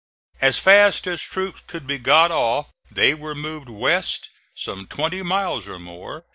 As fast as troops could be got off they were moved west some twenty miles or more.